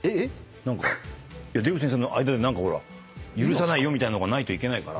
出口先生との間に許さないよみたいなのがないといけないから。